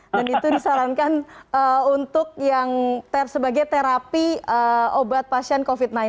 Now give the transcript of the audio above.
dan itu disarankan untuk yang tersebagai terapi obat pasien covid sembilan belas